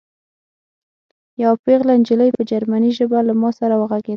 یوه پېغله نجلۍ په جرمني ژبه له ما سره وغږېده